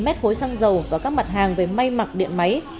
hai trăm linh mét khối xăng dầu và các mặt hàng về may mặc điện máy